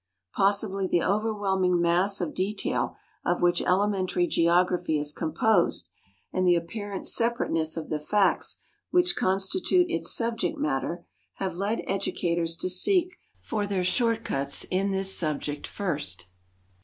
Possibly the overwhelming mass of detail of which elementary geography is composed and the apparent separateness of the facts which constitute its subject matter have led educators to seek for their "short cuts" in this subject first.